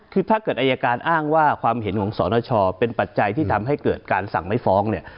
คือถ้าเกิดอายการอ้างว่าความเห็นของสนชเป็นปัจจัยที่ทำให้เกิดการสั่งไม่ฟ้องเนี่ย